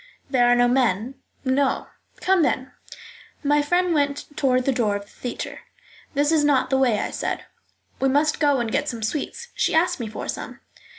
"There are no men?" "No." "Come, then." My friend went toward the door of the theatre. "That is not the way," I said. "We must go and get some sweets. She asked me for some."